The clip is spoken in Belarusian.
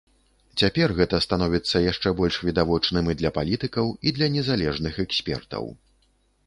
Цяпер гэта становіцца яшчэ больш відавочным і для палітыкаў, і для незалежных экспертаў.